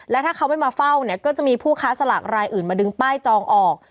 แล้วถ้าเขาไม่มาเฝ้าเนี่ยก็จะมีผู้ค้าสลากรายอื่นมาดึงป้ายจองออก